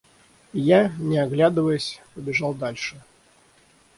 Я, не оглядываясь, побежал дальше.